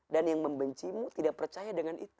dan yang membencimu tidak percaya dengan itu